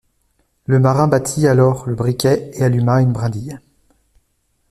Le marin battit alors le briquet et alluma une brindille.